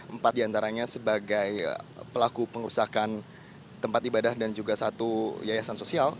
empat diantaranya sebagai pelaku pengusakan tempat ibadah dan juga satu yayasan sosial